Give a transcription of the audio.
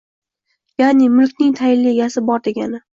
Yaʼni mulkning tayinli egasi bor degani.